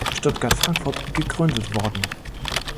Stuttgart–Frankfurt gegründet worden.